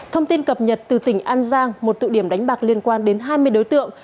thông tin cập nhật từ tỉnh an giang một tụ điểm đánh bạc liên quan đến hai mươi đối tượng